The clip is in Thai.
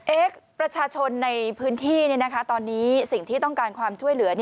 ประชาชนในพื้นที่ตอนนี้สิ่งที่ต้องการความช่วยเหลือ